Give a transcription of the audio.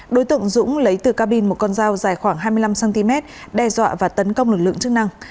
đối tượng dũng lấy từ cabin một con dao dài khoảng hai mươi năm cm đe dọa và tấn công lực lượng chức năng